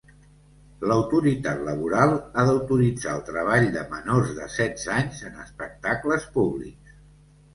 L'autoritat laboral ha d'autoritzar el treball de menors de setze anys en espectacles públics.